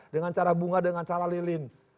dengan cara bunga dengan cara lilin